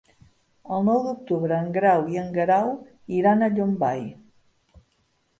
El nou d'octubre en Grau i en Guerau iran a Llombai.